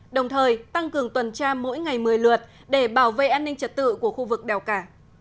đồng thời tăng cường tuần tra mỗi ngày một mươi lượt để bảo vệ an ninh trật tự của khu vực đèo cả